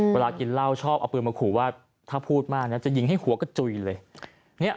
เวลากินเหล้าชอบเอาปืนมาขู่ว่าถ้าพูดมากนะจะยิงให้หัวกระจุยเลย